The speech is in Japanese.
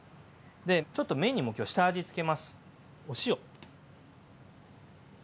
ちょっと麺にも今日下味つけます。